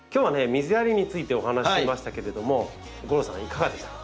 水やりについてお話ししましたけれども吾郎さんいかがでしたか？